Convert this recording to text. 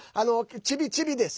ちびちびです。